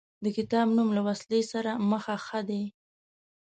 د کتاب نوم له وسلې سره مخه ښه دی.